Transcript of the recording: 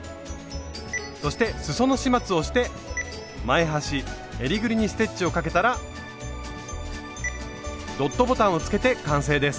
そしてすその始末をして前端・えりぐりにステッチをかけたらドットボタンをつけて完成です。